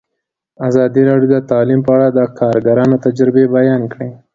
ازادي راډیو د تعلیم په اړه د کارګرانو تجربې بیان کړي.